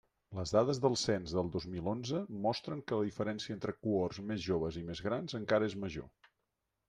Les dades del cens del dos mil onze mostren que la diferència entre cohorts més joves i més grans encara és major.